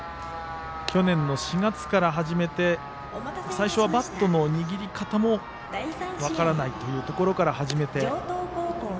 去年の４月から初めて最初はバットの握り方も分からないというところから始めて。